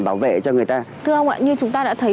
bảo vệ cho người ta thưa ông ạ như chúng ta đã thấy